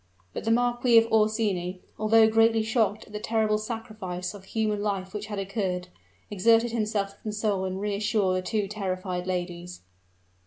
But the Marquis of Orsini, although greatly shocked at the terrible sacrifice of human life which had occurred, exerted himself to console and reassure the two terrified ladies.